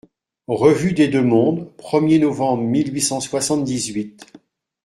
REVUE DES DEUX-MONDES, premier novembre mille huit cent soixante-dix-huit.